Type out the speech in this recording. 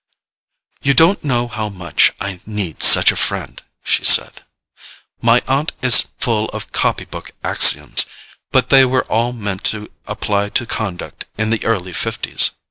"You don't know how much I need such a friend," she said. "My aunt is full of copy book axioms, but they were all meant to apply to conduct in the early fifties.